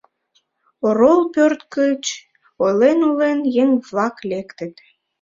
Орол пӧрт гыч, ойлен-ойлен, еҥ-влак лектыт.